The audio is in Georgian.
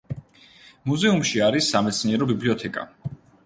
მუზეუმში არის სამეცნიერო ბიბლიოთეკა.